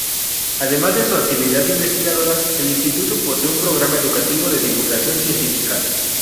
Además de su actividad investigadora, el instituto posee un programa educativo de divulgación científica.